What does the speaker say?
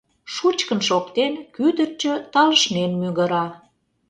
Шучкын шоктен, кӱдырчӧ талышнен мӱгыра.